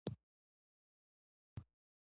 د ننګرهار په پچیر اګام کې د تالک نښې شته.